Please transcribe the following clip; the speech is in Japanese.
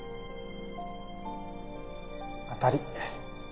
当たり。